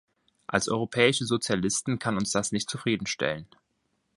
Als europäische Sozialisten kann uns das nicht zufrieden stellen.